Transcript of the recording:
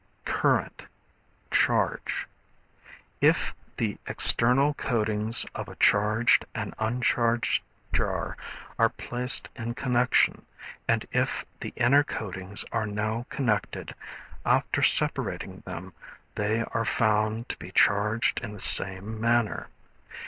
Current, Charge. If the external coatings of a charged and uncharged jar are placed in connection, and if the inner coatings are now connected, after separating them they are both found to be charged in the same manner.